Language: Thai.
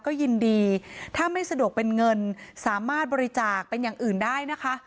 ก็ยินดีถ้าไม่สะดวกเป็นเงินสามารถบริจาคเป็นอย่างอื่นได้นะคะ